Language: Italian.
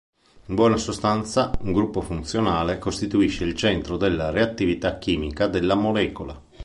In buona sostanza, un gruppo funzionale costituisce "il centro della reattività chimica della molecola".